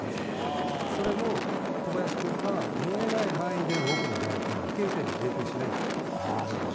それも小林君が見えない範囲で動くので飛型点に影響しないんです。